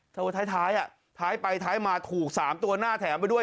ตัวท้ายท้ายไปท้ายมาถูก๓ตัวหน้าแถมไปด้วย